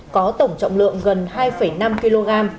có tổng trọng lượng gần hai năm kg